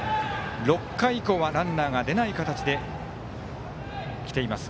６回以降はランナーが出ない形できています。